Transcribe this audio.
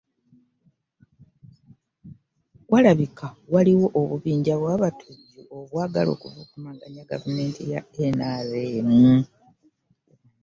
Walabika waliwo obubinja bw'abatujju obwagala okuvumaganya gavumenti ya NRM.